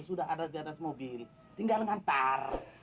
sudah ada di atas mobil tinggal ngantar